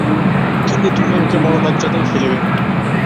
কিন্তু তুমি আমাকে বড়ো লজ্জাতেই ফেলিবে।